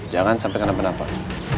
jangan sampai kena penampak